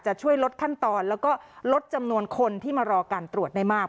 ช่วยลดขั้นตอนแล้วก็ลดจำนวนคนที่มารอการตรวจได้มาก